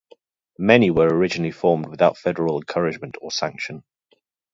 Many were originally formed without federal encouragement or sanction.